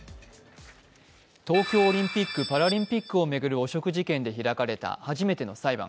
東京オリンピック・パラリンピックを巡る汚職事件で開かれた初めての裁判。